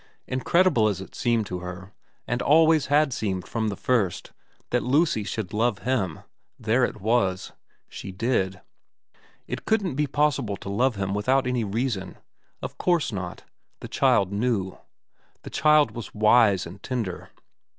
Incredible as it seemed to her, and always had seemed from the first, that Lucy should love him, there it was, she did. It couldn't be possible to love him without any reason. Of course not. The child knew. The child was wise and tender.